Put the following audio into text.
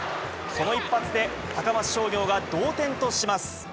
この一発で高松商業が同点とします。